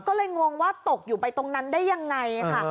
ก็เลยงงว่าตกอยู่ไปตรงนั้นได้ยังไงค่ะ